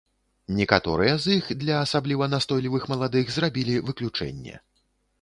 Некаторыя з іх для асабліва настойлівых маладых зрабілі выключэнне.